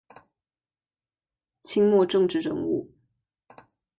清末政治人物。